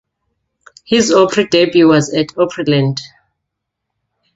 His Opry debut was at Opryland.